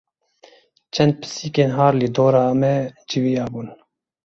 Çend pisîkên har li dora me civiyabûn.